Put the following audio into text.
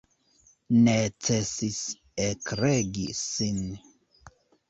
Necesis ekregi sin.